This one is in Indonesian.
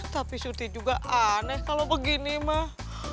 tapi suti juga aneh kalau begini mah